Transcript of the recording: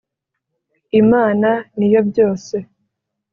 Imana niyobyose.